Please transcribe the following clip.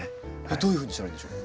どういうふうにしたらいいんでしょう？